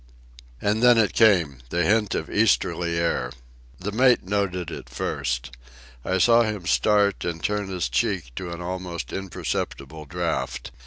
And then it came—the hint of easterly air. The mate noted it first. I saw him start and turn his cheek to the almost imperceptible draught.